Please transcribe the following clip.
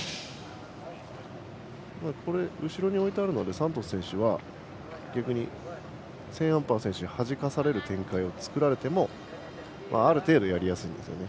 後ろに置いたのでサントス選手は逆にセーンアンパー選手にはじかされる展開を作られてもある程度やりやすいですね。